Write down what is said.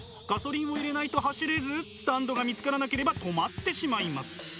ガソリンを入れないと走れずスタンドが見つからなければ止まってしまいます。